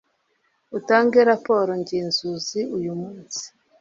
utange rapolo ngenzuzi uyumunsi.